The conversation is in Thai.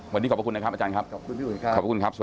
วันนี้ขอบคุณนะครับอาจารย์ครับขอบคุณผู้ชมครับ